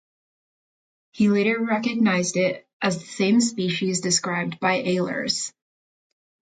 He later recognised it as the same species described by Ehlers.